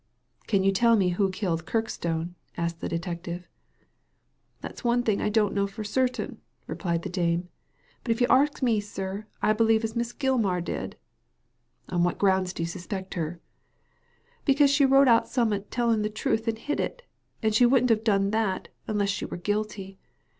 " Can you tell me who killed Kirkstone ?" asked the detective. "That's one thing I don't know for certain," replied the dame ;" but if you arsk me, sir, I bel've as Miss Gilmar did." " On what grounds do you suspect her ?"" Becose she wrote out summat telling the truth and hid it ; and she wouldn't have done that, unless she were guilty.